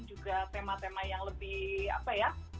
juga tema tema yang lebih apa ya